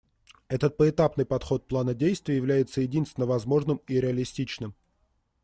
Этот поэтапный подход плана действий является единственно возможным и реалистичным.